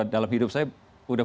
dalam hidup saya udah